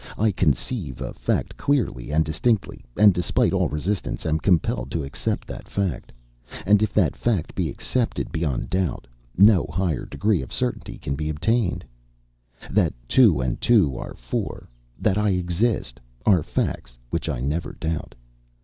I conceive a fact clearly and distinctly, and, despite all resistance, am compelled to accept that fact; and if that fact be accepted beyond doubt, no higher degree of certainty can be attained, That two and two are four that I exist are facts which I never doubt.